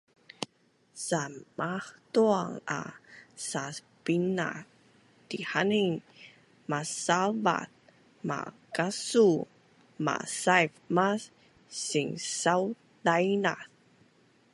san mahtuang a Sasbinazdihanin masaulvaz malkasuu, masaiv mas sinsaudaidaz